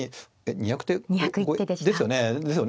２０１手でした。ですよねですよね。